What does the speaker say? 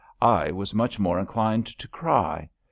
I was much more inclined to cry.